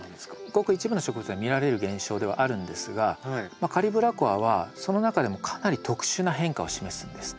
ごく一部の植物に見られる現象ではあるんですがカリブラコアはその中でもかなり特殊な変化を示すんです。